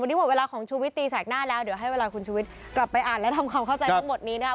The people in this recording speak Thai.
วันนี้หมดเวลาของชุวิตตีแสกหน้าแล้วเดี๋ยวให้เวลาคุณชุวิตกลับไปอ่านและทำความเข้าใจทั้งหมดนี้นะครับ